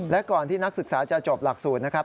และก่อนที่นักศึกษาจะจบหลักสูตรนะครับ